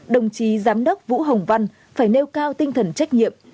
đồng chí giám đốc vũ hồng văn phải nêu cao tinh thần trách nhiệm